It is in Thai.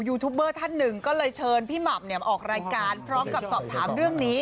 ทูบเบอร์ท่านหนึ่งก็เลยเชิญพี่หม่ำออกรายการพร้อมกับสอบถามเรื่องนี้